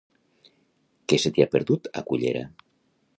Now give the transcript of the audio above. Què se t'hi ha perdut, a Cullera?